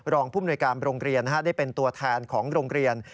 ผู้มนวยการโรงเรียนได้เป็นตัวแทนของโรงเรียน